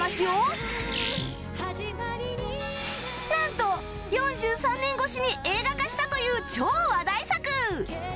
なんと４３年越しに映画化したという超話題作！